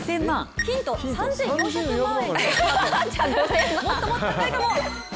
ヒント３４００万円